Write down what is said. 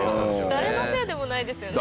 誰のせいでもないですよね。